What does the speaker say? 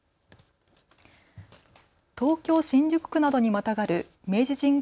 東京新宿区などにまたがる明治神宮